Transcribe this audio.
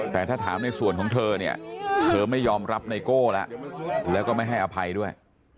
แต่ถ้าถามในส่วนของเธอเนี่ยเธอไม่ยอมรับไนโก้แล้วแล้วก็ไม่ให้อภัยด้วย